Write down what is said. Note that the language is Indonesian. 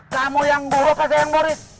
kamu yang buruk aku yang buruk